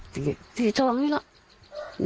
สิ่งช้องดิแล้ว